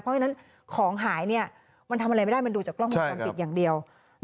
เพราะฉะนั้นของหายมันทำอะไรไม่ได้มันดูจากกล้องวงจรปิดอย่างเดียว